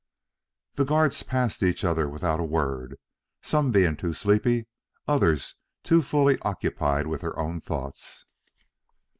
The guards passed each other without a word, some being too sleepy; others too fully occupied with their own thoughts.